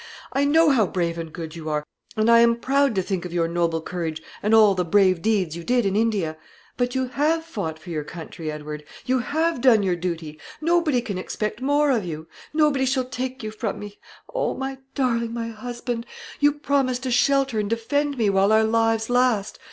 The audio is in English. I know how brave and good you are, and I am proud to think of your noble courage and all the brave deeds you did in India. But you have fought for your country, Edward; you have done your duty. Nobody can expect more of you; nobody shall take you from me. O my darling, my husband, you promised to shelter and defend me while our lives last!